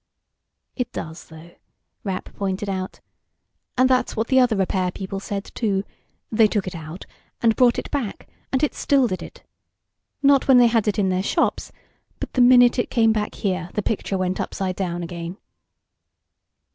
"It does, though," Rapp pointed out. "And that's what the other repair people said, too. They took it out, and brought it back, and it still did it. Not when they had it in their shops, but the minute it came back here, the picture went upside down again."